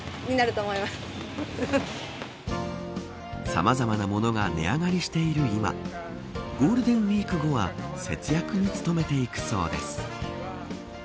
さまざまなものが値上がりしている今ゴールデンウイーク後は節約に努めていくそうです。